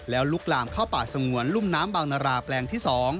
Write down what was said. แล้วลุกลามเข้าป่าสงวนรุ่มน้ำบางนาราแปลงที่๒